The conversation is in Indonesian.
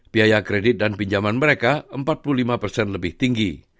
biaya kredit dan pinjaman mereka empat puluh lima persen lebih tinggi